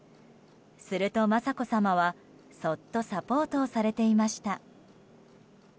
すると雅子さまは、そっとサポートをされていました。